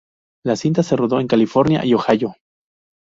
La cinta se rodó en California y Ohio.